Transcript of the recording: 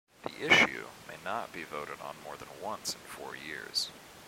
The issue may not be voted on more than once in four years.